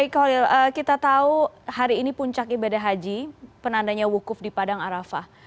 k hoyle kita tahu hari ini puncak ibadah haji penandanya hukuf di padang arafah